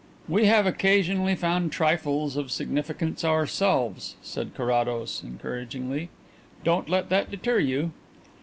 "We have occasionally found trifles of significance ourselves," said Carrados encouragingly. "Don't let that deter you."